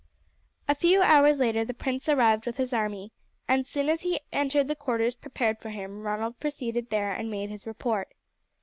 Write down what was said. A few hours later the prince arrived with his army, and as soon as he entered the quarters prepared for him Ronald proceeded there and made his report.